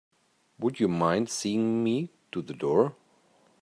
Would you mind seeing me to the door?